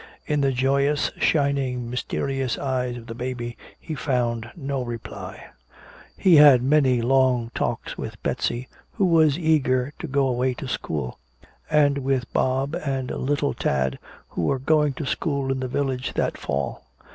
In the joyous, shining, mysterious eyes of the baby he found no reply. He had many long talks with Betsy, who was eager to go away to school, and with Bob and little Tad who were going to school in the village that fall.